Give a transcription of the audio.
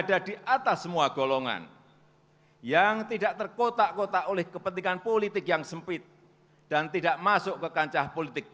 dan terima kasih